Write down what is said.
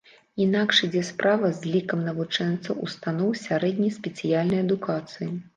Інакш ідзе справа з лікам навучэнцаў устаноў сярэдняй спецыяльнай адукацыі.